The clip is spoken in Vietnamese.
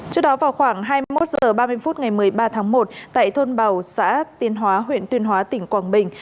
trước đó vào khoảng hai mươi một h ba mươi phút ngày một mươi ba tháng một tại thôn bào xã tiên hóa huyện tuyên hóa tỉnh quảng bình